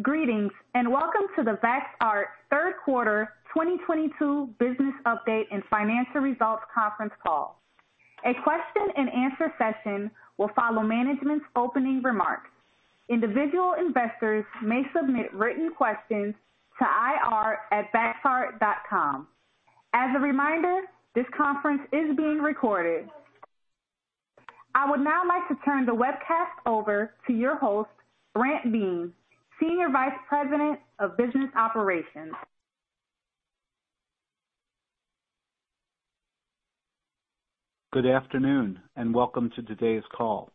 Greetings and welcome to the Vaxart third quarter 2022 business update and financial results conference call. A question and answer session will follow management's opening remarks. Individual investors may submit written questions to ir@vaxart.com. As a reminder, this conference is being recorded. I would now like to turn the webcast over to your host, Brant Biehn, Senior Vice President of Business Operations. Good afternoon, and welcome to today's call.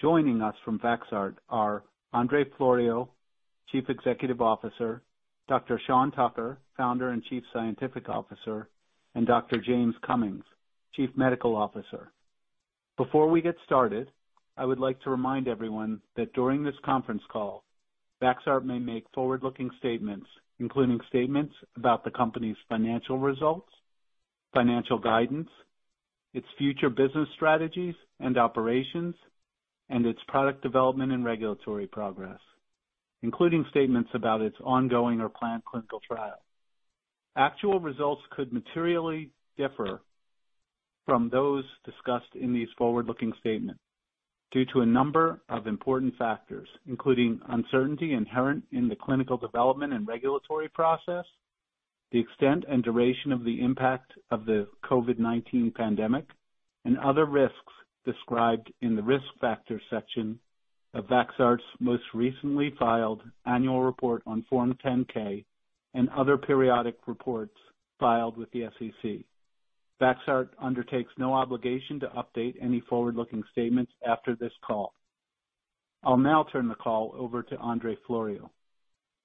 Joining us from Vaxart are Andrei Floroiu, Chief Executive Officer, Dr. Sean Tucker, Founder and Chief Scientific Officer, and Dr. James Cummings, Chief Medical Officer. Before we get started, I would like to remind everyone that during this conference call, Vaxart may make forward-looking statements, including statements about the company's financial results, financial guidance, its future business strategies and operations, and its product development and regulatory progress, including statements about its ongoing or planned clinical trial. Actual results could materially differ from those discussed in these forward-looking statements due to a number of important factors, including uncertainty inherent in the clinical development and regulatory process, the extent and duration of the impact of the COVID-19 pandemic, and other risks described in the Risk Factors section of Vaxart's most recently filed annual report on Form 10-K and other periodic reports filed with the SEC. Vaxart undertakes no obligation to update any forward-looking statements after this call. I'll now turn the call over to Andrei Floroiu.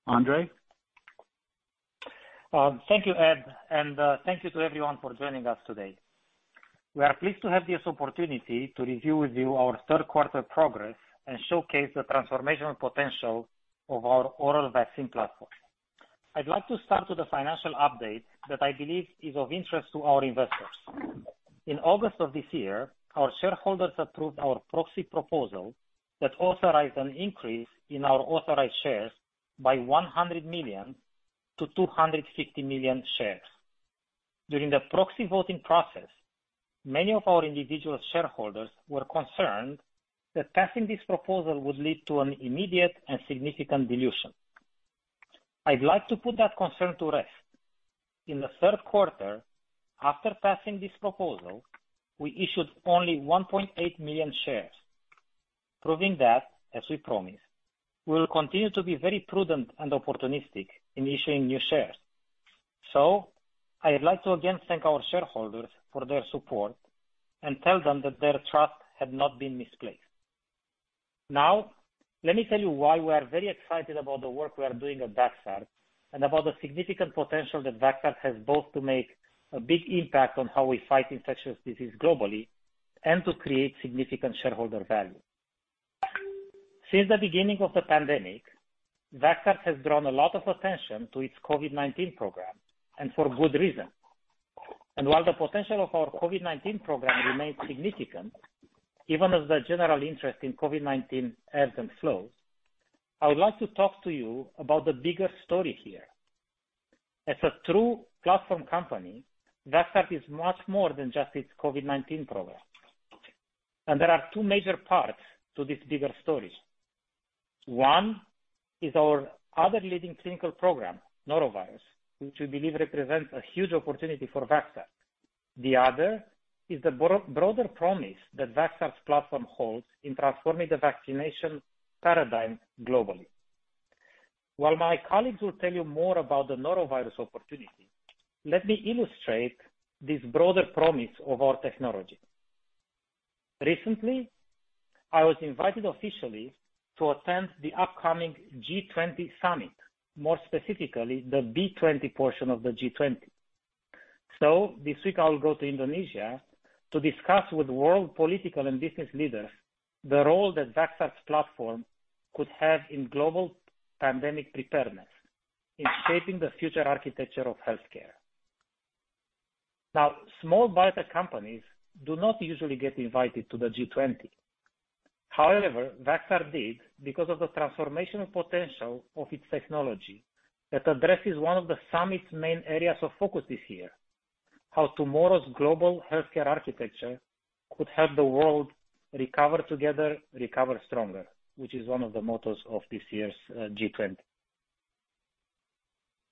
Andrei? Thank you, Brant, and thank you to everyone for joining us today. We are pleased to have this opportunity to review with you our third quarter progress and showcase the transformational potential of our oral vaccine platform. I'd like to start with the financial update that I believe is of interest to our investors. In August of this year, our shareholders approved our proxy proposal that authorized an increase in our authorized shares by 100 million-250 million shares. During the proxy voting process, many of our individual shareholders were concerned that passing this proposal would lead to an immediate and significant dilution. I'd like to put that concern to rest. In the third quarter, after passing this proposal, we issued only 1.8 million shares, proving that, as we promised, we will continue to be very prudent and opportunistic in issuing new shares. I'd like to again thank our shareholders for their support and tell them that their trust had not been misplaced. Now, let me tell you why we are very excited about the work we are doing at Vaxart and about the significant potential that Vaxart has both to make a big impact on how we fight infectious disease globally and to create significant shareholder value. Since the beginning of the pandemic, Vaxart has drawn a lot of attention to its COVID-19 program, and for good reason. While the potential of our COVID-19 program remains significant, even as the general interest in COVID-19 ebbs and flows, I would like to talk to you about the bigger story here. As a true platform company, Vaxart is much more than just its COVID-19 program. There are two major parts to this bigger story. One is our other leading clinical program, norovirus, which we believe represents a huge opportunity for Vaxart. The other is the broader promise that Vaxart's platform holds in transforming the vaccination paradigm globally. While my colleagues will tell you more about the norovirus opportunity, let me illustrate this broader promise of our technology. Recently, I was invited officially to attend the upcoming G20 Summit, more specifically, the B20 portion of the G20. This week I will go to Indonesia to discuss with world political and business leaders the role that Vaxart's platform could have in global pandemic preparedness, in shaping the future architecture of healthcare. Now, small biotech companies do not usually get invited to the G20. However, Vaxart did because of the transformational potential of its technology that addresses one of the summit's main areas of focus this year, how tomorrow's global healthcare architecture could help the world recover together, recover stronger, which is one of the mottos of this year's G20.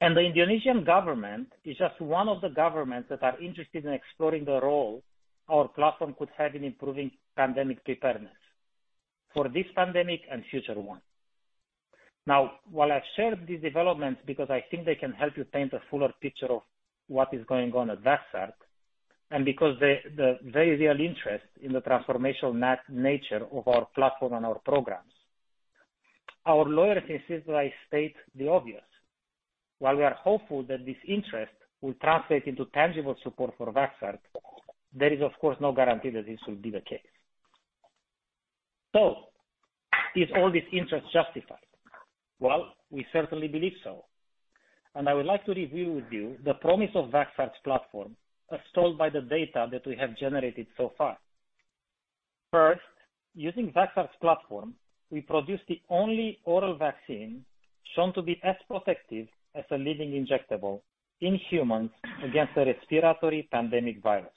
The Indonesian government is just one of the governments that are interested in exploring the role our platform could have in improving pandemic preparedness for this pandemic and future ones. While I've shared these developments because I think they can help you paint a fuller picture of what is going on at Vaxart, and because the very real interest in the transformational nature of our platform and our programs, our lawyers insist that I state the obvious. While we are hopeful that this interest will translate into tangible support for Vaxart, there is of course no guarantee that this will be the case. Is all this interest justified? Well, we certainly believe so, and I would like to review with you the promise of Vaxart's platform as told by the data that we have generated so far. First, using Vaxart's platform, we produced the only oral vaccine shown to be as protective as a leading injectable in humans against a respiratory pandemic virus.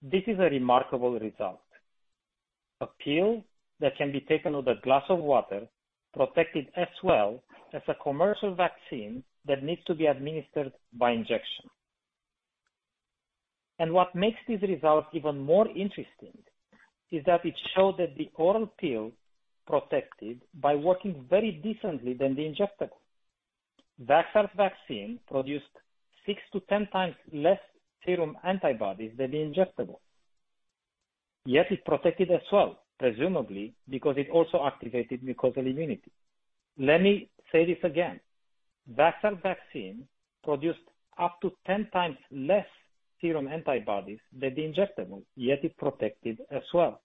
This is a remarkable result. A pill that can be taken with a glass of water protected as well as a commercial vaccine that needs to be administered by injection. What makes this result even more interesting is that it showed that the oral pill protected by working very differently than the injectable. Vaxart's vaccine produced 6-10x less serum antibodies than the injectable. Yet it protected as well, presumably because it also activated mucosal immunity. Let me say this again. Vaxart vaccine produced up to 10x less serum antibodies than the injectable, yet it protected as well.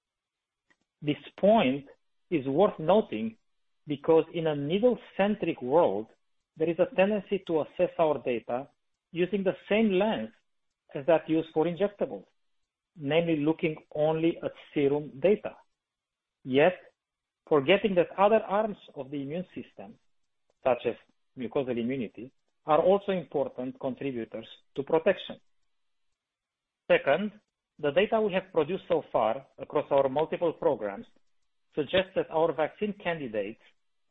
This point is worth noting because in a needle-centric world, there is a tendency to assess our data using the same lens as that used for injectables, namely looking only at serum data, yet forgetting that other arms of the immune system, such as mucosal immunity, are also important contributors to protection. Second, the data we have produced so far across our multiple programs suggests that our vaccine candidates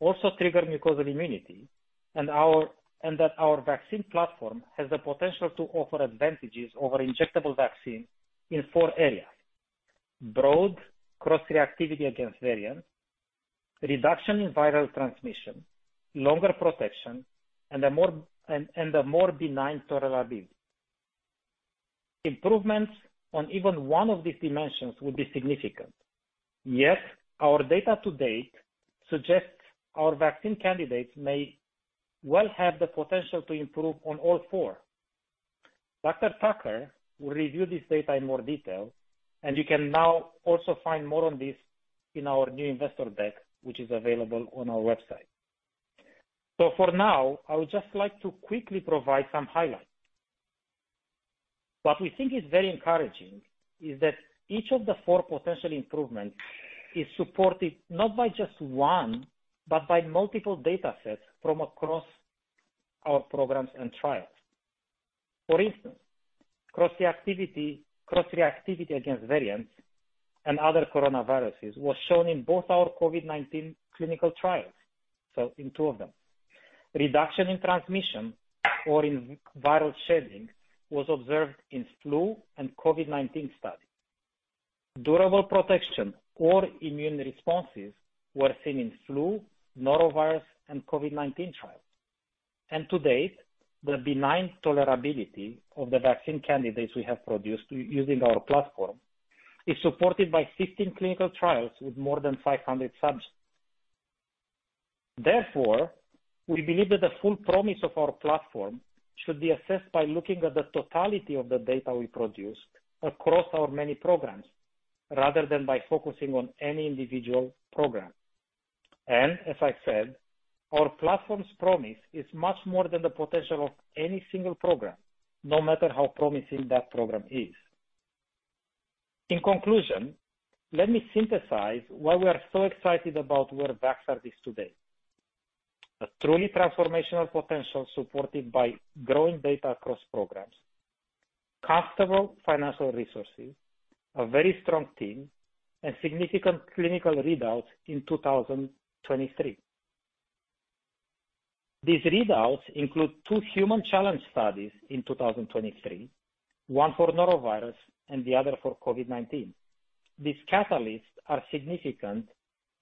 also trigger mucosal immunity and that our vaccine platform has the potential to offer advantages over injectable vaccine in four areas. Broad cross-reactivity against variants, reduction in viral transmission, longer protection, and a more benign tolerability. Improvements on even one of these dimensions will be significant. Yet our data to date suggests our vaccine candidates may well have the potential to improve on all four. Dr. Tucker will review this data in more detail, and you can now also find more on this in our new investor deck, which is available on our website. For now, I would just like to quickly provide some highlights. What we think is very encouraging is that each of the four potential improvements is supported not by just one, but by multiple data sets from across our programs and trials. For instance, cross-reactivity against variants and other coronaviruses was shown in both our COVID-19 clinical trials, so in two of them. Reduction in transmission or in viral shedding was observed in flu and COVID-19 studies. Durable protection or immune responses were seen in flu, norovirus, and COVID-19 trials. To date, the benign tolerability of the vaccine candidates we have produced using our platform is supported by 15 clinical trials with more than 500 subjects. Therefore, we believe that the full promise of our platform should be assessed by looking at the totality of the data we produced across our many programs, rather than by focusing on any individual program. As I said, our platform's promise is much more than the potential of any single program, no matter how promising that program is. In conclusion, let me synthesize why we are so excited about where Vaxart is today. A truly transformational potential supported by growing data across programs, comfortable financial resources, a very strong team, and significant clinical readouts in 2023. These readouts include two human challenge studies in 2023, one for norovirus and the other for COVID-19. These catalysts are significant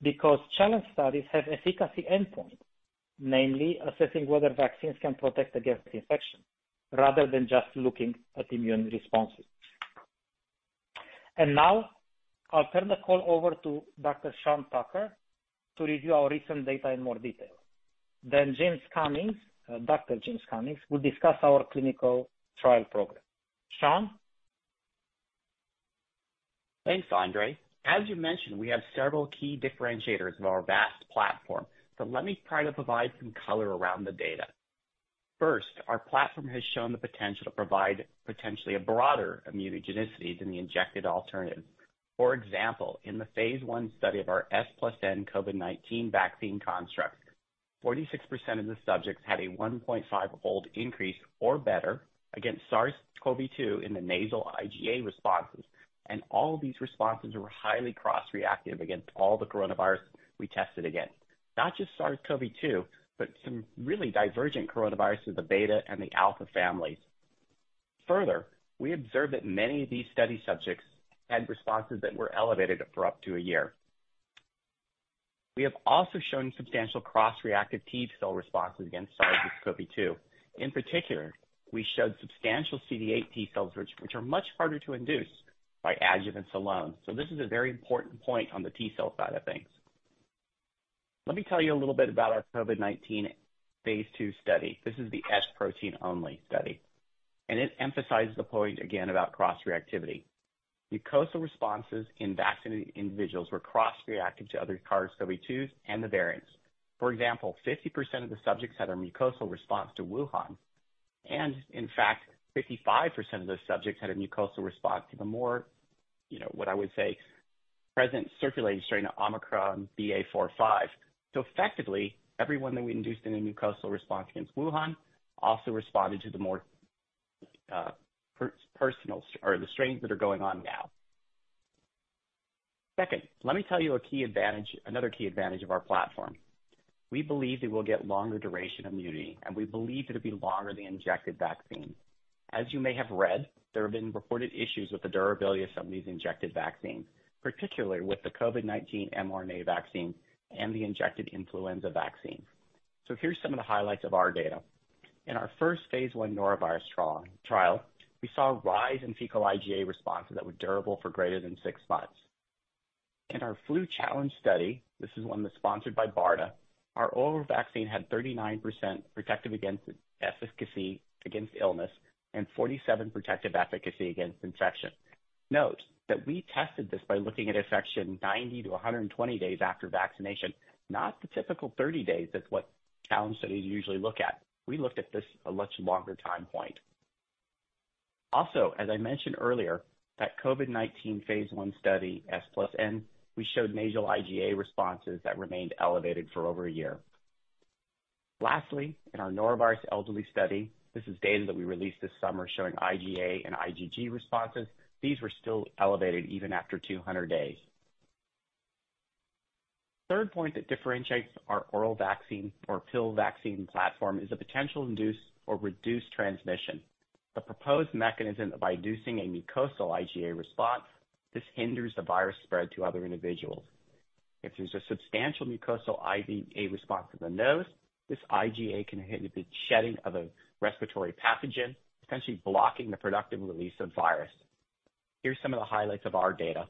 because challenge studies have efficacy endpoint, namely assessing whether vaccines can protect against infection, rather than just looking at immune responses. Now I'll turn the call over to Dr. Sean Tucker to review our recent data in more detail. Then James Cummings, Dr. James Cummings, will discuss our clinical trial program. Sean? Thanks, Andrei. As you mentioned, we have several key differentiators of our VAAST platform. Let me try to provide some color around the data. First, our platform has shown the potential to provide potentially a broader immunogenicity than the injected alternative. For example, in the phase I study of our S+N COVID-19 vaccine construct, 46% of the subjects had a 1.5-fold increase or better against SARS-CoV-2 in the nasal IgA responses, and all these responses were highly cross-reactive against all the coronavirus we tested against. Not just SARS-CoV-2, but some really divergent coronaviruses, the beta and the alpha families. Further, we observed that many of these study subjects had responses that were elevated for up to a year. We have also shown substantial cross-reactive T-cell responses against SARS-CoV-2. In particular, we showed substantial CD8 T cells which are much harder to induce by adjuvants alone. This is a very important point on the T-cell side of things. Let me tell you a little bit about our COVID-19 phase II study. This is the S protein only study, and it emphasizes the point again about cross-reactivity. Mucosal responses in vaccinated individuals were cross-reactive to other SARS-CoV-2 and the variants. For example, 50% of the subjects had a mucosal response to Wuhan. In fact, 55% of those subjects had a mucosal response to the more, you know, what I would say, present circulating strain of Omicron BA.4/5. Effectively, everyone that we induced a mucosal response against Wuhan also responded to the more prevalent or the strains that are going on now. Second, let me tell you a key advantage, another key advantage of our platform. We believe it will get longer duration immunity, and we believe it'll be longer than injected vaccine. As you may have read, there have been reported issues with the durability of some of these injected vaccines, particularly with the COVID-19 mRNA vaccine and the injected influenza vaccine. Here's some of the highlights of our data. In our first phase I norovirus trial, we saw a rise in fecal IgA responses that were durable for greater than six months. In our flu challenge study, this is one that's sponsored by BARDA. Our oral vaccine had 39% protective efficacy against illness and 47% protective efficacy against infection. Note that we tested this by looking at infection 90-120 days after vaccination, not the typical 30 days as what challenge studies usually look at. We looked at this a much longer time point. Also, as I mentioned earlier, that COVID-19 phase I study S+N, we showed nasal IgA responses that remained elevated for over a year. Lastly, in our norovirus elderly study, this is data that we released this summer showing IgA and IgG responses. These were still elevated even after 200 days. Third point that differentiates our oral vaccine or pill vaccine platform is the potential induce or reduce transmission. The proposed mechanism of inducing a mucosal IgA response, this hinders the virus spread to other individuals. If there's a substantial mucosal IgA response in the nose, this IgA can inhibit shedding of a respiratory pathogen, essentially blocking the productive release of virus. Here's some of the highlights of our data.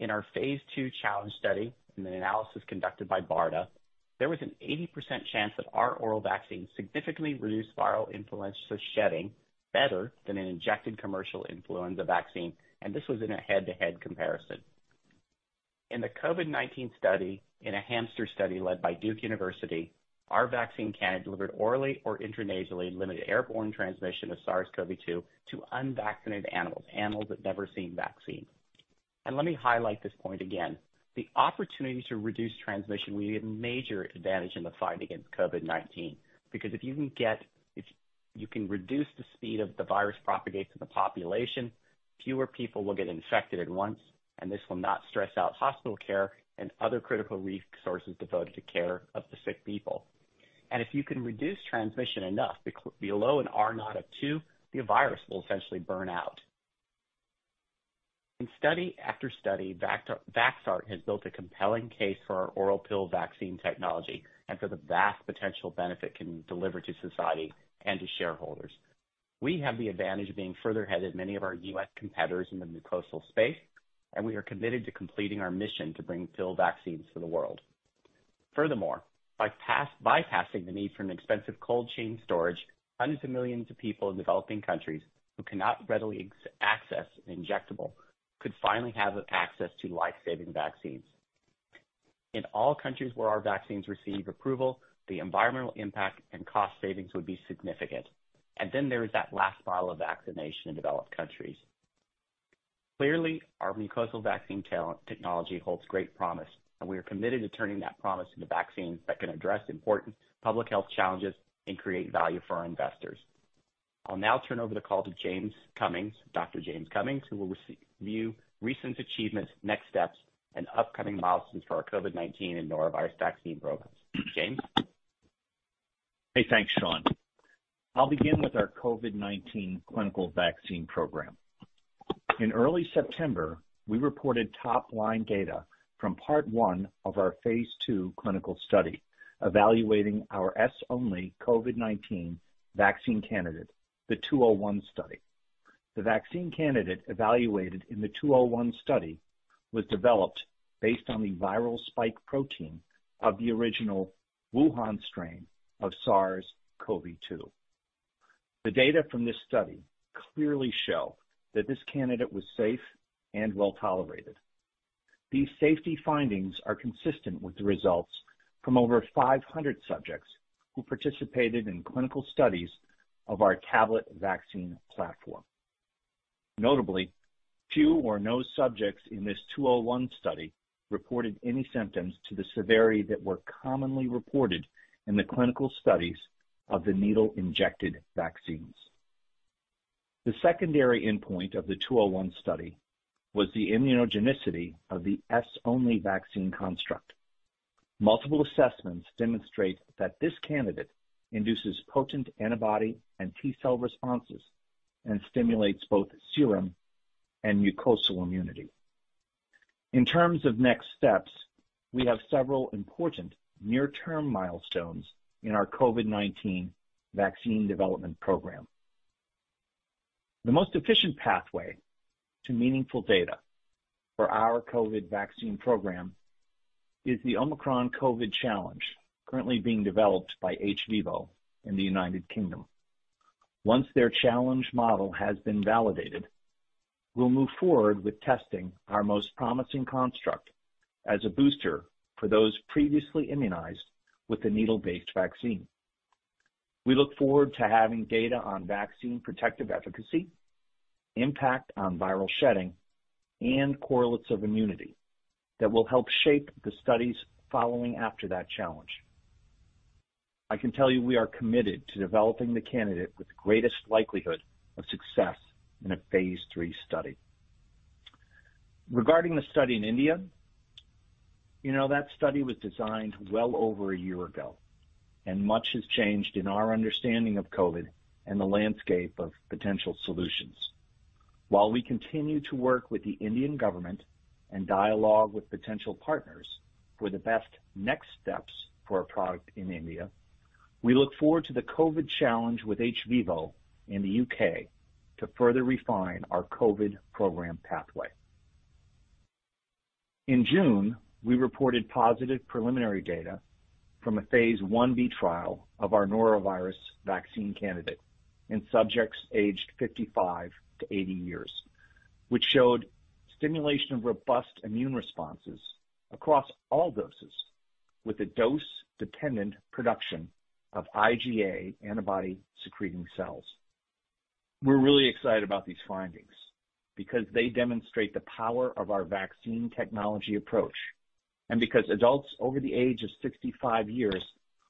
In our phase II challenge study, in the analysis conducted by BARDA, there was an 80% chance that our oral vaccine significantly reduced viral influenza shedding better than an injected commercial influenza vaccine, and this was in a head-to-head comparison. In the COVID-19 study, in a hamster study led by Duke University, our vaccine candidate delivered orally or intranasally limited airborne transmission of SARS-CoV-2 to unvaccinated animals that never seen vaccine. Let me highlight this point again. The opportunity to reduce transmission will be a major advantage in the fight against COVID-19 because if you can reduce the speed of the virus propagates in the population, fewer people will get infected at once, and this will not stress out hospital care and other critical resources devoted to care of the sick people. If you can reduce transmission enough below an R0 of 2, the virus will essentially burn out. In study after study, Vaxart has built a compelling case for our oral pill vaccine technology and for the vast potential benefit can deliver to society and to shareholders. We have the advantage of being further ahead of many of our U.S. competitors in the mucosal space, and we are committed to completing our mission to bring pill vaccines to the world. Furthermore, bypassing the need for an expensive cold chain storage, hundreds of millions of people in developing countries who cannot readily access injectables could finally have access to life-saving vaccines. In all countries where our vaccines receive approval, the environmental impact and cost savings would be significant. There is that last mile of vaccination in developed countries. Clearly, our mucosal vaccine technology holds great promise, and we are committed to turning that promise into vaccines that can address important public health challenges and create value for our investors. I'll now turn over the call to James Cummings, Dr. James Cummings, who will review recent achievements, next steps, and upcoming milestones for our COVID-19 and norovirus vaccine programs. James? Hey, thanks, Sean. I'll begin with our COVID-19 clinical vaccine program. In early September, we reported top-line data from part 1 of our phase II clinical study evaluating our S-only COVID-19 vaccine candidate, the 201 study. The vaccine candidate evaluated in the 201 study was developed based on the viral spike protein of the original Wuhan strain of SARS-CoV-2. The data from this study clearly show that this candidate was safe and well-tolerated. These safety findings are consistent with the results from over 500 subjects who participated in clinical studies of our tablet vaccine platform. Notably, few or no subjects in this 201 study reported any symptoms of the severity that were commonly reported in the clinical studies of the needle-injected vaccines. The secondary endpoint of the 201 study was the immunogenicity of the S-only vaccine construct. Multiple assessments demonstrate that this candidate induces potent antibody and T-cell responses and stimulates both serum and mucosal immunity. In terms of next steps, we have several important near-term milestones in our COVID-19 vaccine development program. The most efficient pathway to meaningful data for our COVID vaccine program is the Omicron COVID challenge currently being developed by hVIVO in the United Kingdom. Once their challenge model has been validated. We'll move forward with testing our most promising construct as a booster for those previously immunized with the needle-based vaccine. We look forward to having data on vaccine protective efficacy, impact on viral shedding, and correlates of immunity that will help shape the studies following after that challenge. I can tell you, we are committed to developing the candidate with greatest likelihood of success in a phase III study. Regarding the study in India, you know, that study was designed well over a year ago, and much has changed in our understanding of COVID and the landscape of potential solutions. While we continue to work with the Indian government and dialogue with potential partners for the best next steps for our product in India, we look forward to the COVID challenge with hVIVO in the UK to further refine our COVID program pathway. In June, we reported positive preliminary data from a phase Ib trial of our norovirus vaccine candidate in subjects aged 55-80 years, which showed stimulation of robust immune responses across all doses with a dose-dependent production of IgA antibody secreting cells. We're really excited about these findings because they demonstrate the power of our vaccine technology approach, and because adults over the age of 65 years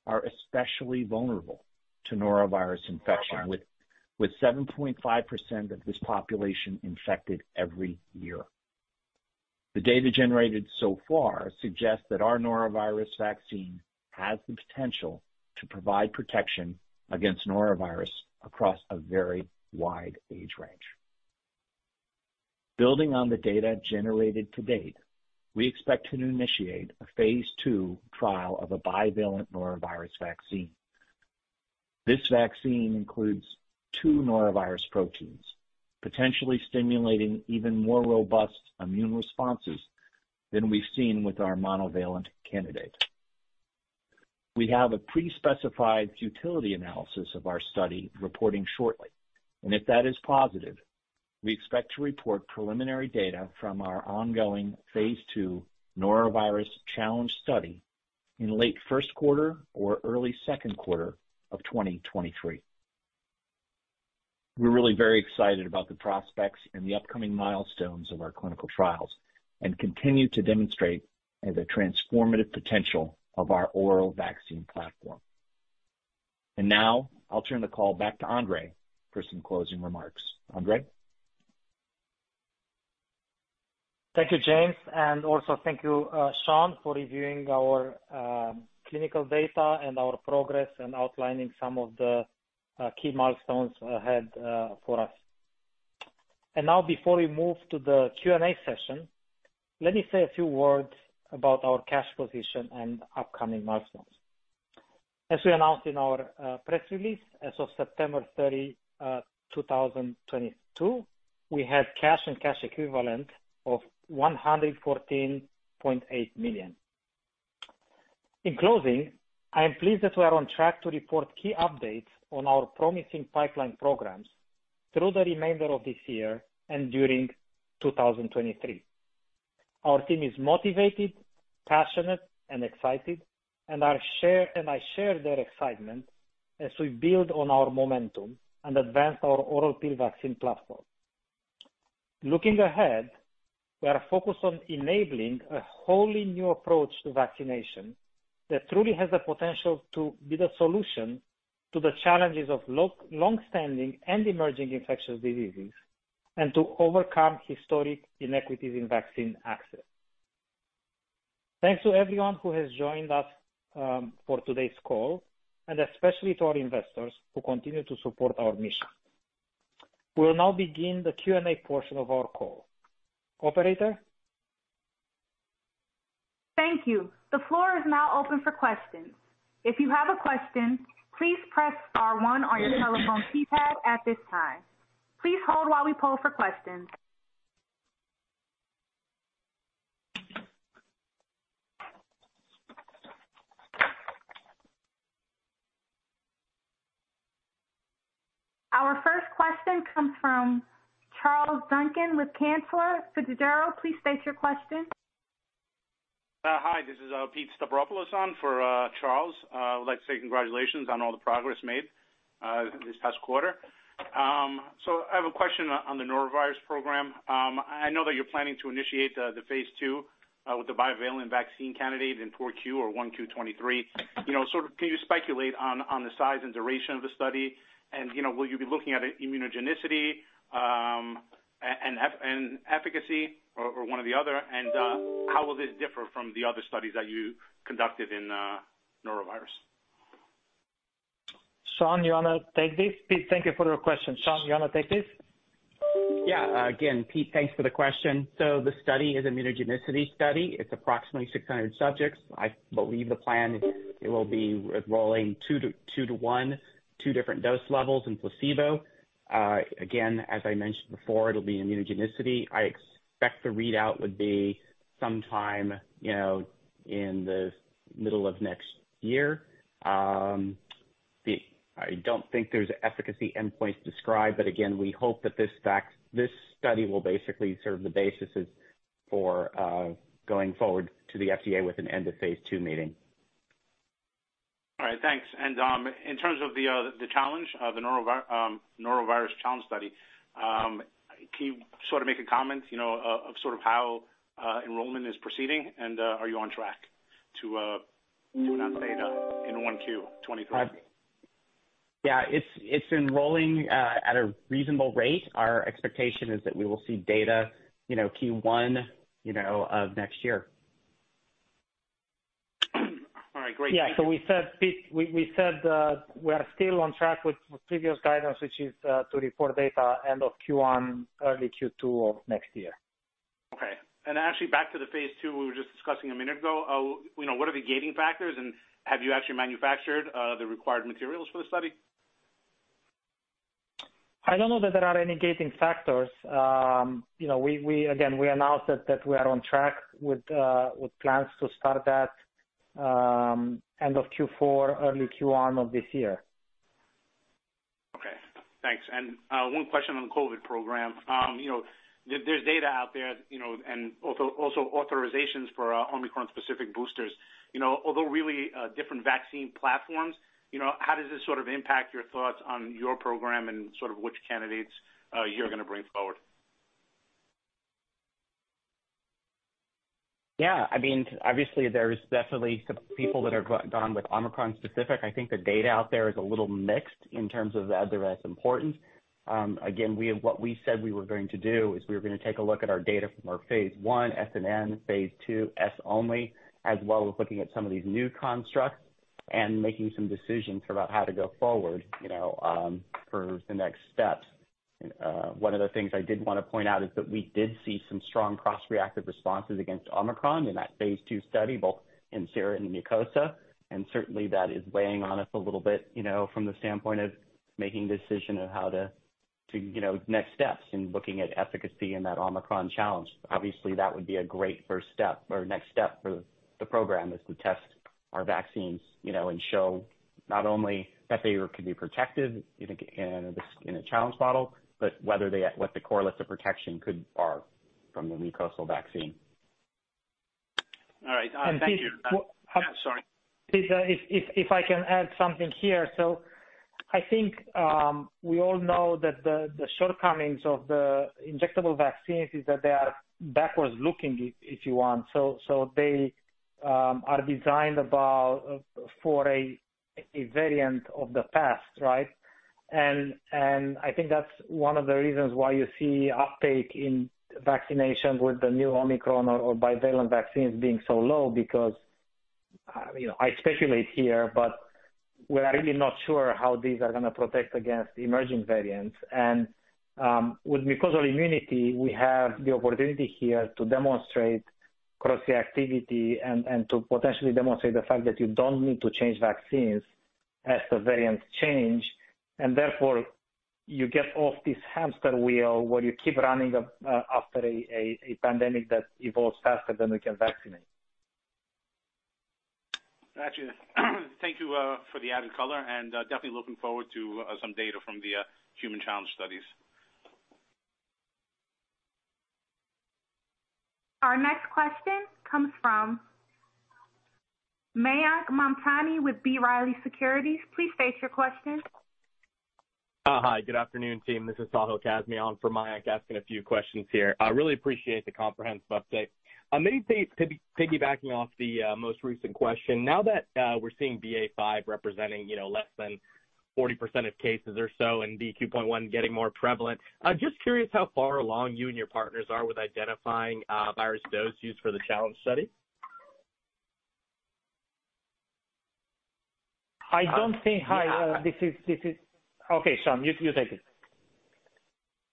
are especially vulnerable to norovirus infection, with 7.5% of this population infected every year. The data generated so far suggests that our norovirus vaccine has the potential to provide protection against norovirus across a very wide age range. Building on the data generated to date, we expect to initiate a phase II trial of a bivalent norovirus vaccine. This vaccine includes two norovirus proteins, potentially stimulating even more robust immune responses than we've seen with our monovalent candidate. We have a pre-specified futility analysis of our study reporting shortly, and if that is positive, we expect to report preliminary data from our ongoing phase II norovirus challenge study in late first quarter or early second quarter of 2023. We're really very excited about the prospects and the upcoming milestones of our clinical trials, and continue to demonstrate the transformative potential of our oral vaccine platform. Now I'll turn the call back to Andrei for some closing remarks. Andrei? Thank you, James. Also thank you, Sean, for reviewing our clinical data and our progress and outlining some of the key milestones ahead for us. Now before we move to the Q&A session, let me say a few words about our cash position and upcoming milestones. As we announced in our press release, as of September 30th, 2022, we had cash and cash equivalents of $114.8 million. In closing, I am pleased that we are on track to report key updates on our promising pipeline programs through the remainder of this year and during 2023. Our team is motivated, passionate and excited, and I share their excitement as we build on our momentum and advance our oral pill vaccine platform. Looking ahead, we are focused on enabling a wholly new approach to vaccination that truly has the potential to be the solution to the challenges of longstanding and emerging infectious diseases, and to overcome historic inequities in vaccine access. Thanks to everyone who has joined us for today's call, and especially to our investors who continue to support our mission. We will now begin the Q&A portion of our call. Operator? Thank you. The floor is now open for questions. If you have a question, please press star one on your telephone keypad at this time. Please hold while we poll for questions. Our first question comes from Charles Duncan with Cantor Fitzgerald, please state your question. Hi, this is Pete Stavropoulos on for Charles. I would like to say congratulations on all the progress made this past quarter. I have a question on the norovirus program. I know that you're planning to initiate the phase II with the bivalent vaccine candidate in Q4 or Q1 2023. You know, sort of can you speculate on the size and duration of the study? And, you know, will you be looking at immunogenicity and efficacy or one or the other? And how will this differ from the other studies that you conducted in norovirus? Sean, you wanna take this? Pete, thank you for your question. Sean, do you wanna take this? Yeah. Again, Pete, thanks for the question. The study is immunogenicity study. It's approximately 600 subjects. I believe the plan, it will be enrolling two to one, two different dose levels and placebo. Again, as I mentioned before, it'll be immunogenicity. I expect the readout would be sometime, you know, in the middle of next year. I don't think there's efficacy endpoints described, but again, we hope that this study will basically serve as the basis for going forward to the FDA with an end-of-phase II meeting. All right. Thanks. In terms of the challenge of the norovirus challenge study, can you sort of make a comment, you know, of sort of how enrollment is proceeding and are you on track to announce data in Q1 2023? Yeah. It's enrolling at a reasonable rate. Our expectation is that we will see data, you know, Q1, you know, of next year. All right, great. We said, Pete, we are still on track with previous guidance, which is to report data end of Q1, early Q2 of next year. Okay. Actually back to the phase II we were just discussing a minute ago. You know, what are the gating factors, and have you actually manufactured the required materials for the study? I don't know that there are any gating factors. You know, we again announced that we are on track with plans to start that end of Q4, early Q1 of this year. Okay, thanks. One question on the COVID program. You know, there's data out there, you know, and also authorizations for Omicron-specific boosters. You know, although really different vaccine platforms, you know, how does this sort of impact your thoughts on your program and sort of which candidates you're gonna bring forward? Yeah. I mean, obviously there's definitely some people that are gone with Omicron-specific. I think the data out there is a little mixed in terms of, as they're as important. Again, what we said we were going to do is we were gonna take a look at our data from our phase I, S and N, phase II, S only, as well as looking at some of these new constructs and making some decisions about how to go forward, you know, for the next steps. One of the things I did wanna point out is that we did see some strong cross-reactive responses against Omicron in that phase II study, both in sera and mucosa. Certainly, that is weighing on us a little bit, you know, from the standpoint of making decision of how to you know next steps in looking at efficacy in that Omicron challenge. Obviously, that would be a great first step or next step for the program, is to test our vaccines, you know, and show not only that they could be protective, you know, in a challenge model, but what the correlates of protection are from the mucosal vaccine. All right. Thank you. Pete, Yeah. Sorry. Pete, if I can add something here. I think we all know that the shortcomings of the injectable vaccines is that they are backwards looking if you want. They are designed about for a variant of the past, right? I think that's one of the reasons why you see uptake in vaccination with the new Omicron or bivalent vaccines being so low because you know, I speculate here, but we're really not sure how these are gonna protect against emerging variants. With mucosal immunity, we have the opportunity here to demonstrate cross-reactivity and to potentially demonstrate the fact that you don't need to change vaccines as the variants change, and therefore you get off this hamster wheel where you keep running after a pandemic that evolves faster than we can vaccinate. Gotcha. Thank you for the added color and definitely looking forward to some data from the human challenge studies. Our next question comes from Mayank Mamtani with B. Riley Securities. Please state your question. Hi, good afternoon, team. This is Tahira Kazmi for Mayank, asking a few questions here. I really appreciate the comprehensive update. Maybe piggybacking off the most recent question. Now that we're seeing BA.5 representing, you know, less than 40% of cases or so, and BQ.1 getting more prevalent, I'm just curious how far along you and your partners are with identifying virus dose used for the challenge study. Okay, Sean, you take it.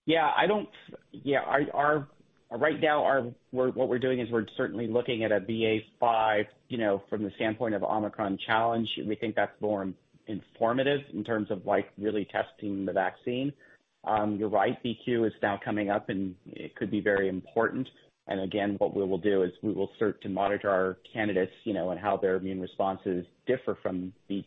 Yeah. Right now, what we're doing is we're certainly looking at a BA.5, you know, from the standpoint of Omicron challenge. We think that's more informative in terms of, like, really testing the vaccine. You're right, BQ is now coming up, and it could be very important. Again, what we will do is we will start to monitor our candidates, you know, and how their immune responses differ from the,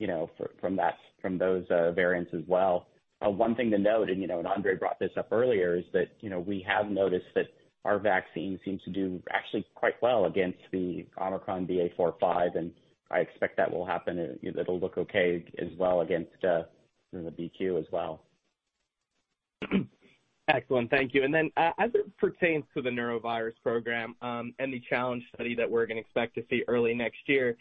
you know, from that, from those variants as well. One thing to note, and you know, and Andrei brought this up earlier, is that, you know, we have noticed that our vaccine seems to do actually quite well against the Omicron BA.4/5, and I expect that will happen. It'll look okay as well against the BQ as well. Excellent. Thank you. As it pertains to the norovirus program, and the challenge study that we're gonna expect to see early next year,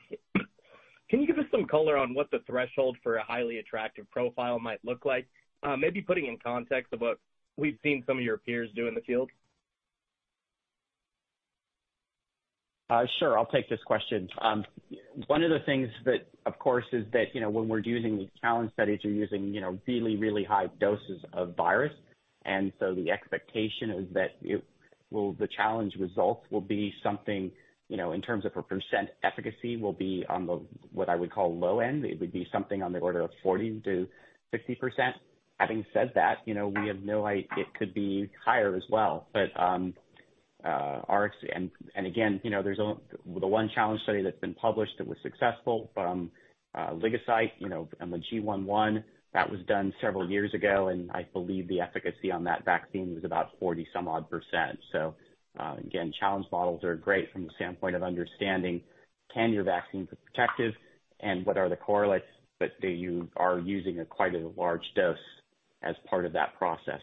can you give us some color on what the threshold for a highly attractive profile might look like? Maybe putting in context of what we've seen some of your peers do in the field. Sure. I'll take this question. One of the things that, of course, is that, you know, when we're using these challenge studies, we're using, you know, really high doses of virus. The expectation is that the challenge results will be something, you know, in terms of a percent efficacy will be on the, what I would call low end. It would be something on the order of 40%-60%. Having said that, you know, it could be higher as well. But Rx and again, you know, there's the one challenge study that's been published that was successful from LigoCyte, you know, and the GI.1 that was done several years ago, and I believe the efficacy on that vaccine was about 40%-some odd. Again, challenge models are great from the standpoint of understanding can your vaccine be protective and what are the correlates, but are using quite a large dose as part of that process.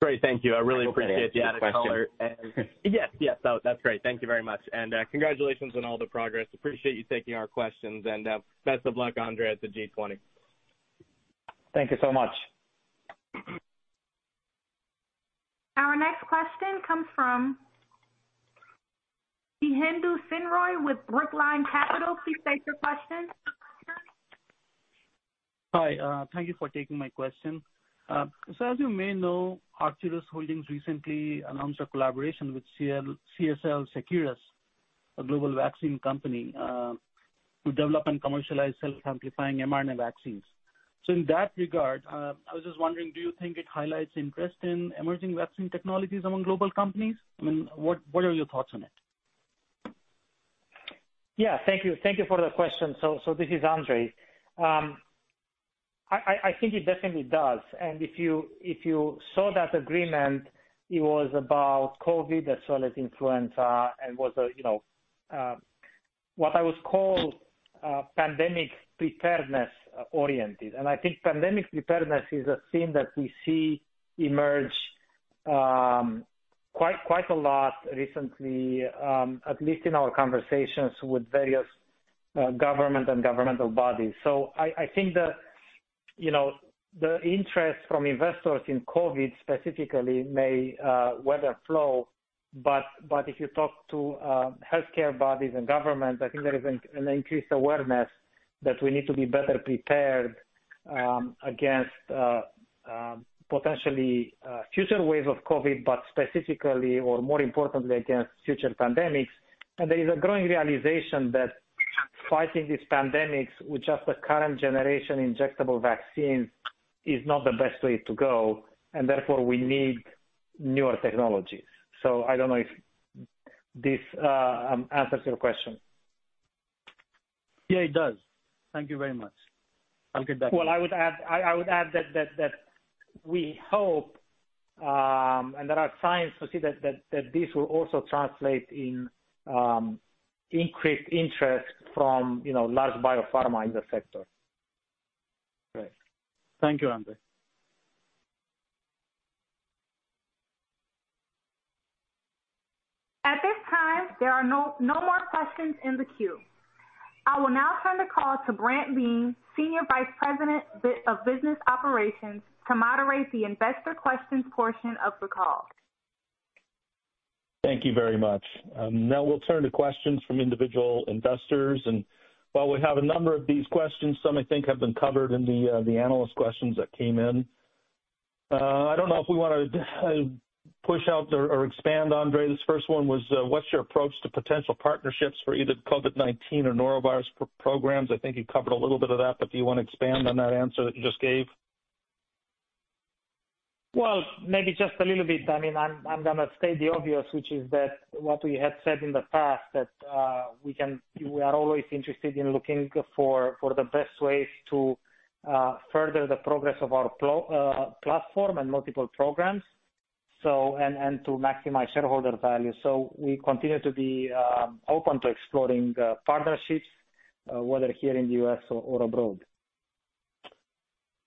Great. Thank you. I really appreciate the added color. Hope that answered your question. Yes. No, that's great. Thank you very much. Congratulations on all the progress. Appreciate you taking our questions, and, best of luck, Andrei Floroiu, at the G20. Thank you so much. Our next question comes from Kemp Dolliver with Brookline Capital. Please state your question. Hi, thank you for taking my question. As you may know, Arcturus Therapeutics Holdings Inc. recently announced a collaboration with CSL Seqirus, a global vaccine company, to develop and commercialize self-amplifying mRNA vaccines. In that regard, I was just wondering, do you think it highlights interest in emerging vaccine technologies among global companies? I mean, what are your thoughts on it? Yeah, thank you. Thank you for the question. This is Andrei. I think it definitely does. If you saw that agreement, it was about COVID as well as influenza and was, you know, what I would call pandemic preparedness oriented. I think pandemic preparedness is a theme that we see emerge quite a lot recently, at least in our conversations with various government and governmental bodies. I think, you know, the interest from investors in COVID specifically may ebb and flow, but if you talk to healthcare bodies and governments, I think there is an increased awareness that we need to be better prepared against potentially future waves of COVID, but specifically or more importantly, against future pandemics. There is a growing realization that fighting these pandemics with just the current generation injectable vaccines is not the best way to go, and therefore we need newer technologies. I don't know if this answers your question. Yeah, it does. Thank you very much. I'll get back to you. Well, I would add that we hope, and there are signs that we see that this will also translate into increased interest from, you know, large biopharma in the sector. Great. Thank you, Andrei. At this time, there are no more questions in the queue. I will now turn the call to Brant Biehn, Senior Vice President, Business Operations, to moderate the investor questions portion of the call. Thank you very much. Now we'll turn to questions from individual investors. While we have a number of these questions, some I think have been covered in the analyst questions that came in. I don't know if we wanna push out or expand Andrei. This first one was, what's your approach to potential partnerships for either COVID-19 or norovirus programs? I think you covered a little bit of that, but do you want to expand on that answer that you just gave? Well, maybe just a little bit. I mean, I'm gonna state the obvious, which is that what we had said in the past, that we are always interested in looking for the best ways to further the progress of our platform and multiple programs, and to maximize shareholder value. We continue to be open to exploring partnerships, whether here in the US or abroad.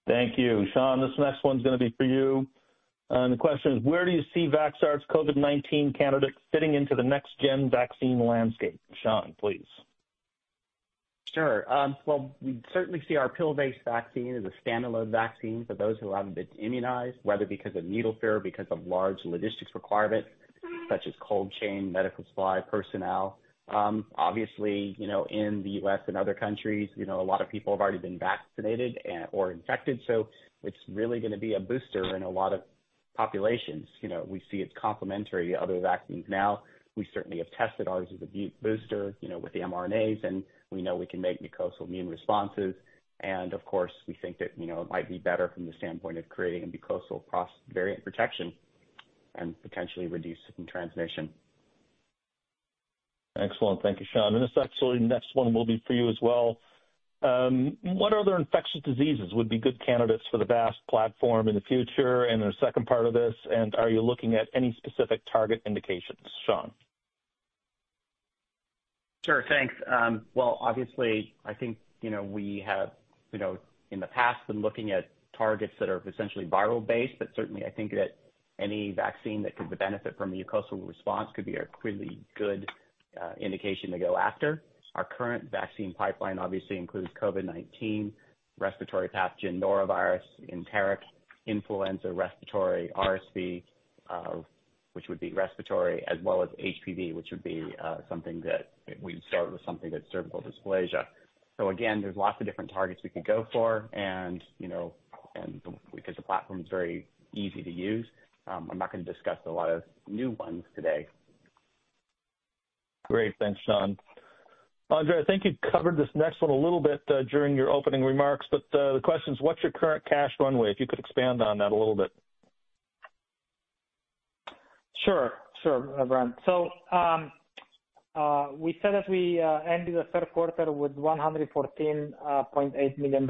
Thank you. Sean, this next one's gonna be for you. The question is where do you see Vaxart's COVID-19 candidate fitting into the next gen vaccine landscape? Sean, please. Sure. Well, we certainly see our pill-based vaccine as a standalone vaccine for those who haven't been immunized, whether because of needle fear or because of large logistics requirements such as cold chain, medical supply, personnel. Obviously, you know, in the U.S. and other countries, you know, a lot of people have already been vaccinated and, or infected, so it's really gonna be a booster in a lot of populations. You know, we see it's complementary to other vaccines now. We certainly have tested ours as a booster, you know, with the mRNAs, and we know we can make mucosal immune responses. Of course, we think that, you know, it might be better from the standpoint of creating a mucosal cross-variant protection and potentially reduce some transmission. Excellent. Thank you, Sean. This actually next one will be for you as well. What other infectious diseases would be good candidates for the VAAST platform in the future? The second part of this, and are you looking at any specific target indications? Sean? Sure. Thanks. Well, obviously I think, you know, we have, you know, in the past been looking at targets that are essentially viral based, but certainly I think that any vaccine that could benefit from a mucosal response could be a really good indication to go after. Our current vaccine pipeline obviously includes COVID-19, respiratory pathogen norovirus, enteric influenza, respiratory RSV, which would be respiratory, as well as HPV, which would be something that we'd start with that's cervical dysplasia. Again, there's lots of different targets we could go for and, you know, because the platform's very easy to use, I'm not gonna discuss a lot of new ones today. Great. Thanks, Sean. Andrei, I think you covered this next one a little bit, during your opening remarks, but, the question is what's your current cash runway? If you could expand on that a little bit. Sure, Brant. We said that we ended the third quarter with $114.8 million,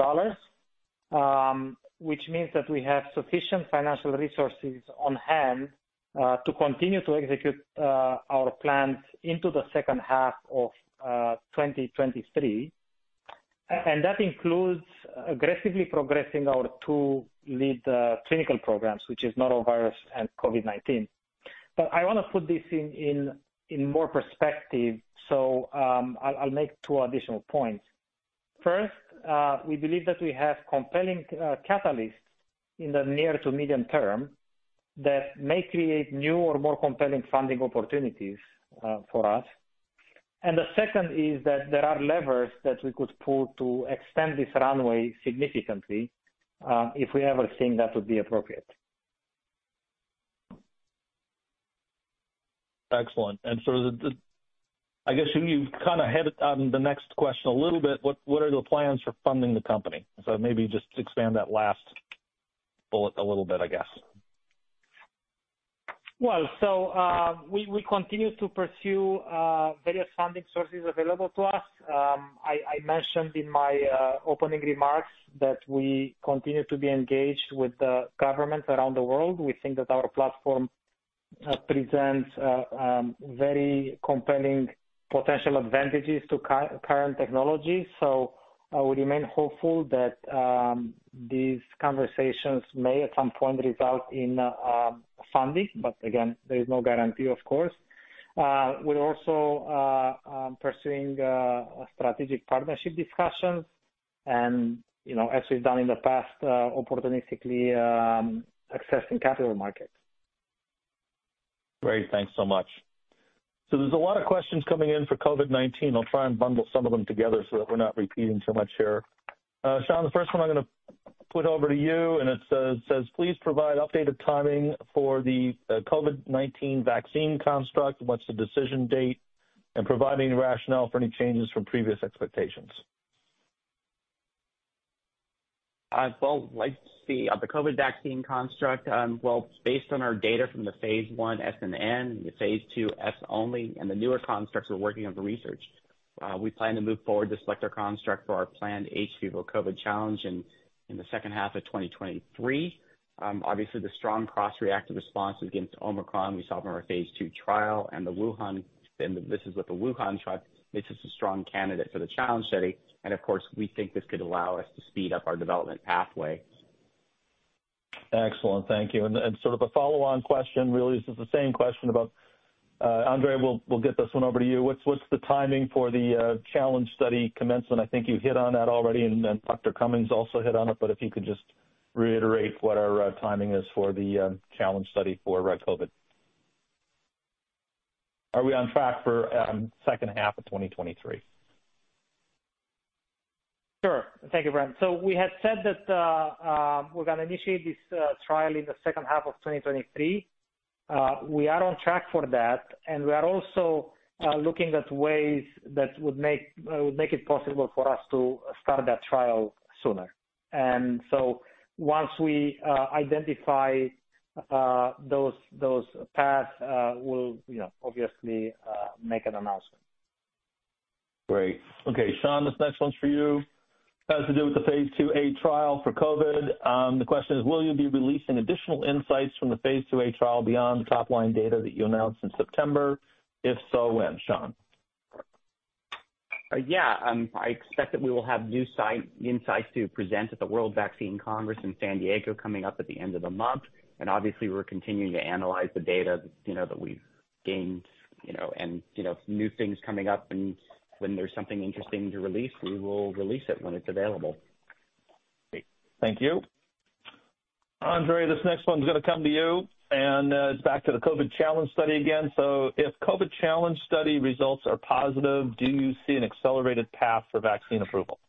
which means that we have sufficient financial resources on hand to continue to execute our plans into the second half of 2023. That includes aggressively progressing our two lead clinical programs, which is norovirus and COVID-19. I wanna put this in more perspective, so I'll make two additional points. First, we believe that we have compelling catalysts in the near to medium term that may create new or more compelling funding opportunities for us. The second is that there are levers that we could pull to extend this runway significantly if we ever think that would be appropriate. Excellent. The I guess you kind of hit on the next question a little bit. What are the plans for funding the company? Maybe just expand that last bullet a little bit, I guess. We continue to pursue various funding sources available to us. I mentioned in my opening remarks that we continue to be engaged with the governments around the world. We think that our platform presents very compelling potential advantages to current technology. I would remain hopeful that these conversations may at some point result in funding, but again, there is no guarantee, of course. We're also pursuing strategic partnership discussions and, you know, as we've done in the past, opportunistically accessing capital markets. Great. Thanks so much. There's a lot of questions coming in for COVID-19. I'll try and bundle some of them together so that we're not repeating so much here. Sean, the first one I'm gonna put over to you and it says, "Please provide updated timing for the COVID-19 vaccine construct. What's the decision date? And provide any rationale for any changes from previous expectations. I'd both like to see the COVID vaccine construct, well, it's based on our data from the phase I S+N, the phase II S-only, and the newer constructs we're working on for research. We plan to move forward to select our construct for our planned hVIVO COVID challenge in the second half of 2023. Obviously the strong cross-reactive responses against Omicron we saw from our phase II trial and the Wuhan, and this is with the Wuhan trial, makes this a strong candidate for the challenge study. Of course, we think this could allow us to speed up our development pathway. Excellent. Thank you. Sort of a follow-on question really is just the same question about Andrei Floroiu, we'll get this one over to you. What's the timing for the challenge study commencement? I think you hit on that already and then Dr. Cummings also hit on it, but if you could just reiterate what our timing is for the challenge study for COVID. Are we on track for second half of 2023? Sure. Thank you, Brant. We had said that we're gonna initiate this trial in the second half of 2023. We are on track for that, and we are also looking at ways that would make it possible for us to start that trial sooner. Once we identify those paths, we'll you know, obviously, make an announcement. Great. Okay, Sean, this next one's for you. It has to do with the phase IIa trial for COVID-19. The question is, will you be releasing additional insights from the phase IIa trial beyond the top-line data that you announced in September? If so, when? Sean. I expect that we will have new insights to present at the World Vaccine Congress in San Diego coming up at the end of the month. Obviously we're continuing to analyze the data, you know, that we've gained, you know, and, you know, new things coming up and when there's something interesting to release, we will release it when it's available. Great. Thank you. Andrei, this next one's gonna come to you and, it's back to the COVID challenge study again. If COVID challenge study results are positive, do you see an accelerated path for vaccine approval?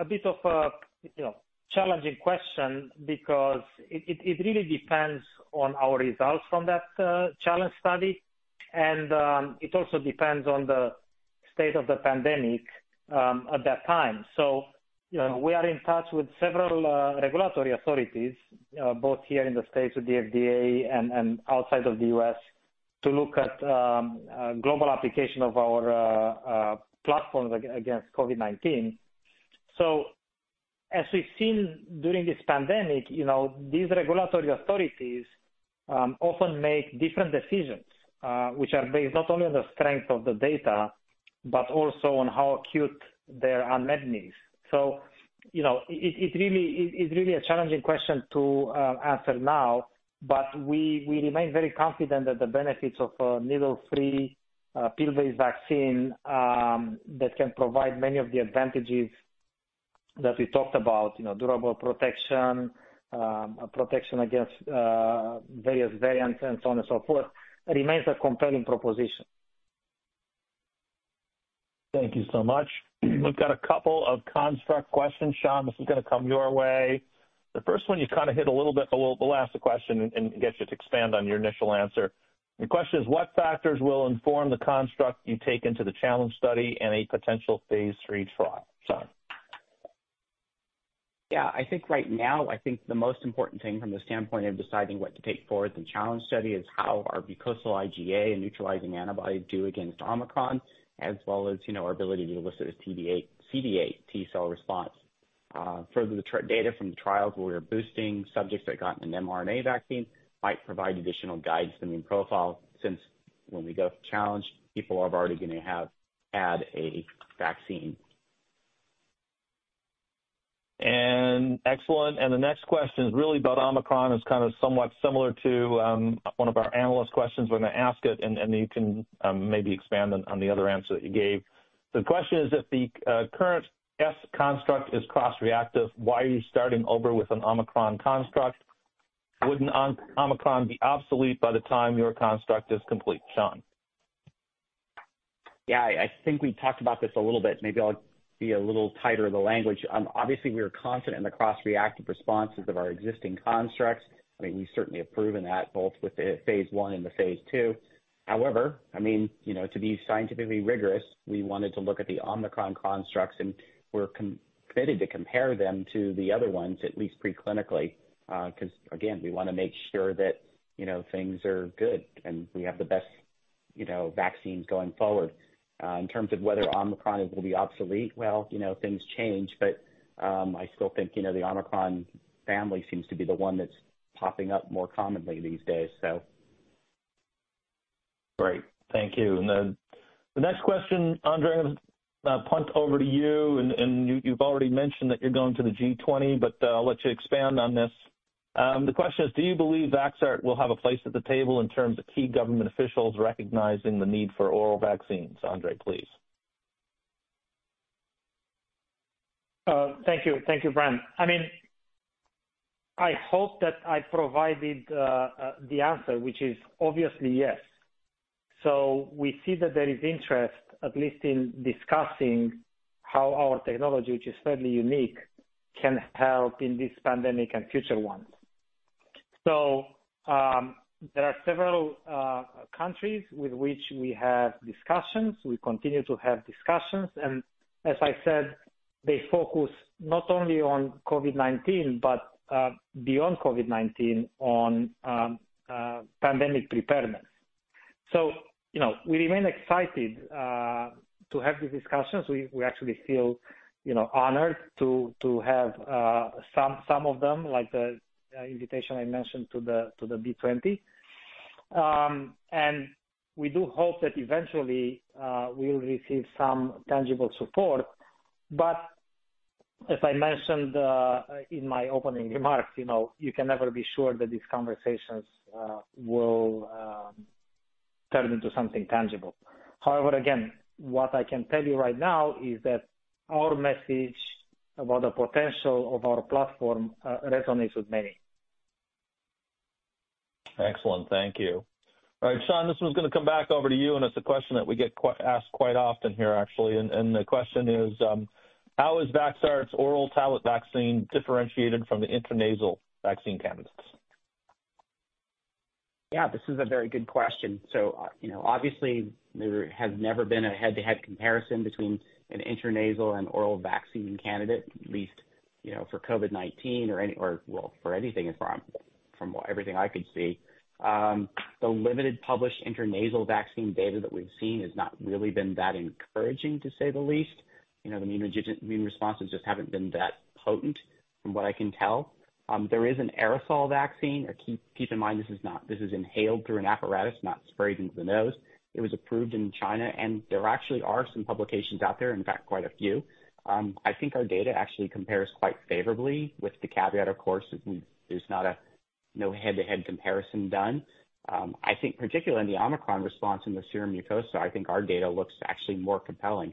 A bit of a, you know, challenging question because it really depends on our results from that challenge study. It also depends on the state of the pandemic at that time. You know, we are in touch with several regulatory authorities both here in the States with the FDA and outside of the U.S., to look at global application of our platforms against COVID-19. As we've seen during this pandemic, you know, these regulatory authorities often make different decisions, which are based not only on the strength of the data, but also on how acute their unmet needs. You know, it's really a challenging question to answer now, but we remain very confident that the benefits of a needle-free, pill-based vaccine that can provide many of the advantages that we talked about, you know, durable protection, a protection against various variants and so on and so forth, remains a compelling proposition. Thank you so much. We've got a couple of construct questions. Sean, this is gonna come your way. The first one you kind of hit a little bit, but we'll ask the question and get you to expand on your initial answer. The question is, what factors will inform the construct you take into the challenge study and a potential phase III trial, Sean? Yeah. I think right now, I think the most important thing from the standpoint of deciding what to take forward the challenge study is how our mucosal IgA and neutralizing antibodies do against Omicron, as well as, you know, our ability to elicit a CD8 T-cell response. Further, the trial data from the trials where we're boosting subjects that got an mRNA vaccine might provide additional guidance to immune profile, since when we go challenge, people are already gonna have had a vaccine. Excellent. The next question is really about Omicron. It's kind of somewhat similar to one of our analyst questions. We're gonna ask it and you can maybe expand on the other answer that you gave. The question is, if the current S construct is cross-reactive, why are you starting over with an Omicron construct? Wouldn't Omicron be obsolete by the time your construct is complete, Sean? Yeah. I think we talked about this a little bit. Maybe I'll be a little tighter with the language. Obviously, we are confident in the cross-reactive responses of our existing constructs. I mean, we certainly have proven that both with the phase I and the phase II. However, I mean, you know, to be scientifically rigorous, we wanted to look at the Omicron constructs, and we're committed to compare them to the other ones, at least pre-clinically, 'cause again, we wanna make sure that, you know, things are good and we have the best, you know, vaccines going forward. In terms of whether Omicron will be obsolete, well, you know, things change, but, I still think, you know, the Omicron family seems to be the one that's popping up more commonly these days, so. Great. Thank you. Then the next question, Andrei, I'm gonna punt over to you, and you've already mentioned that you're going to the G20, but I'll let you expand on this. The question is, do you believe Vaxart will have a place at the table in terms of key government officials recognizing the need for oral vaccines, Andrei, please? Thank you. Thank you, Brant. I mean, I hope that I provided the answer, which is obviously yes. We see that there is interest, at least in discussing how our technology, which is fairly unique, can help in this pandemic and future ones. There are several countries with which we have discussions. We continue to have discussions and as I said, they focus not only on COVID-19 but beyond COVID-19 on pandemic preparedness. You know, we remain excited to have these discussions. We actually feel, you know, honored to have some of them, like the invitation I mentioned to the B20. We do hope that eventually we'll receive some tangible support. As I mentioned in my opening remarks, you know, you can never be sure that these conversations will turn into something tangible. However, again, what I can tell you right now is that our message about the potential of our platform resonates with many. Excellent. Thank you. All right, Sean, this one's gonna come back over to you, and it's a question that we get quite often here, actually. The question is, how is Vaxart's oral tablet vaccine differentiated from the intranasal vaccine candidates? Yeah, this is a very good question. You know, obviously there has never been a head-to-head comparison between an intranasal and oral vaccine candidate, at least, you know, for COVID-19 or any, or well, for anything from everything I could see. The limited published intranasal vaccine data that we've seen has not really been that encouraging, to say the least. You know, the immunogenic responses just haven't been that potent from what I can tell. There is an aerosol vaccine. Keep in mind this is inhaled through an apparatus, not sprayed into the nose. It was approved in China, and there actually are some publications out there, in fact, quite a few. I think our data actually compares quite favorably with the caveat, of course, there's no head-to-head comparison done. I think particularly in the Omicron response in the serum and mucosal, I think our data looks actually more compelling.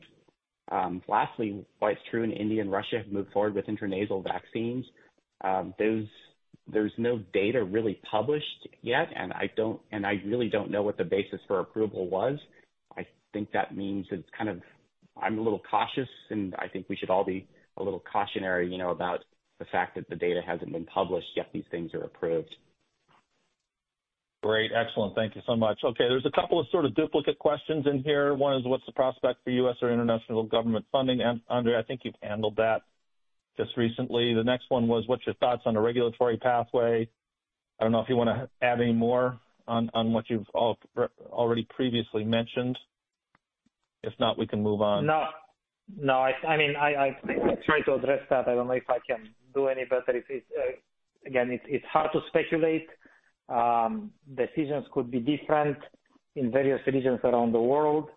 Lastly, while it's true that India and Russia have moved forward with intranasal vaccines, there's no data really published yet, and I really don't know what the basis for approval was. I think that means it's kind of. I'm a little cautious, and I think we should all be a little cautious, you know, about the fact that the data hasn't been published, yet these things are approved. Great. Excellent. Thank you so much. Okay, there's a couple of sort of duplicate questions in here. One is, what's the prospect for US or international government funding? Andrei, I think you've handled that just recently. The next one was, what's your thoughts on the regulatory pathway? I don't know if you wanna add any more on what you've already previously mentioned. If not, we can move on. No. I mean, I tried to address that. I don't know if I can do any better. It's again, it's hard to speculate. Decisions could be different in various regions around the world,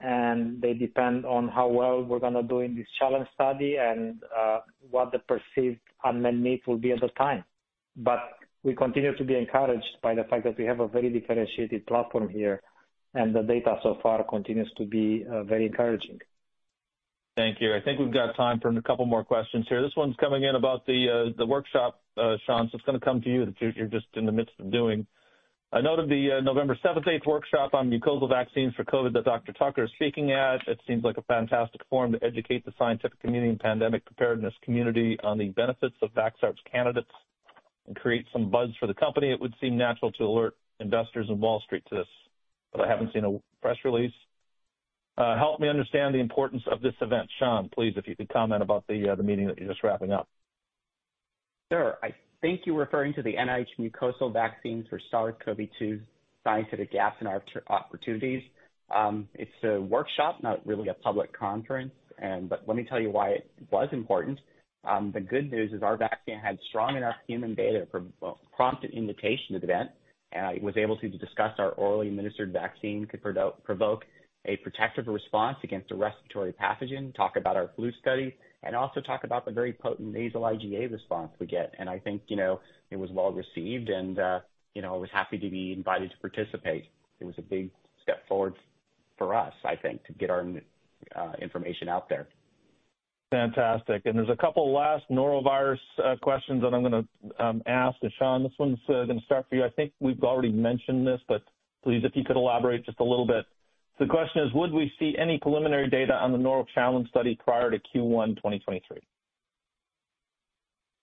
and they depend on how well we're gonna do in this challenge study and what the perceived unmet needs will be at the time. We continue to be encouraged by the fact that we have a very differentiated platform here, and the data so far continues to be very encouraging. Thank you. I think we've got time for a couple more questions here. This one's coming in about the workshop, Sean, so it's gonna come to you that you're just in the midst of doing. I noted the November seventh, eighth workshop on mucosal vaccines for COVID that Dr. Tucker is speaking at. It seems like a fantastic forum to educate the scientific community and pandemic preparedness community on the benefits of Vaxart's candidates and create some buzz for the company. It would seem natural to alert investors on Wall Street to this, but I haven't seen a press release. Help me understand the importance of this event. Sean, please, if you could comment about the meeting that you're just wrapping up. Sure. I think you're referring to the NIH mucosal vaccines for SARS-CoV-2, scientific gaps and opportunities. It's a workshop, not really a public conference, but let me tell you why it was important. The good news is our vaccine had strong enough human data to prompt an invitation to the event, and I was able to discuss how our orally administered vaccine could provoke a protective response against a respiratory pathogen, talk about our flu study, and also talk about the very potent nasal IgA response we get. I think, you know, it was well-received and, you know, I was happy to be invited to participate. It was a big step forward for us, I think, to get our information out there. Fantastic. There's a couple last norovirus questions that I'm gonna ask. Sean, this one's gonna start for you. I think we've already mentioned this, but please, if you could elaborate just a little bit. The question is, would we see any preliminary data on the noro challenge study prior to Q1 2023?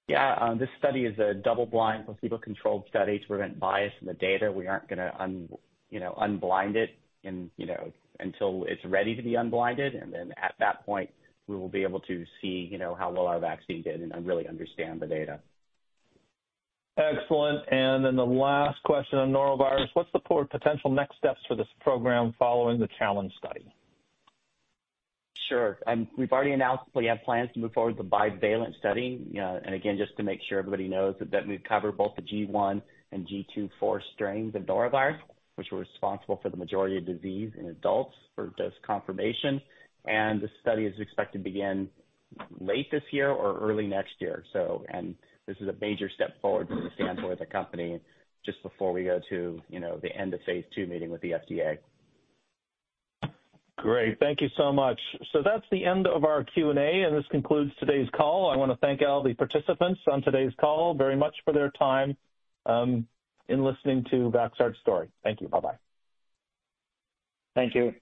Yeah. This study is a double blind placebo-controlled study to prevent bias in the data. We aren't gonna unblind it, you know, until it's ready to be unblinded, and then at that point, we will be able to see, you know, how well our vaccine did and really understand the data. Excellent. The last question on norovirus. What's the potential next steps for this program following the challenge study? Sure. We've already announced we have plans to move forward with the bivalent study. Again, just to make sure everybody knows that we've covered both the GI.1 and GII.4 strains of norovirus, which were responsible for the majority of disease in adults for this confirmation. The study is expected to begin late this year or early next year. This is a major step forward from the standpoint of the company just before we go to, you know, the end of phase II meeting with the FDA. Great. Thank you so much. That's the end of our Q&A, and this concludes today's call. I wanna thank all the participants on today's call very much for their time, in listening to Vaxart's story. Thank you. Bye-bye. Thank you.